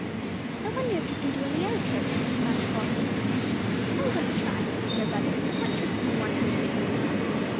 "I wonder if he can do any other tricks?" asked Flossie. "I'm going to try," said her brother. "What trick do you want him to do?"